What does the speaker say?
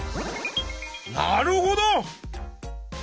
なるほど！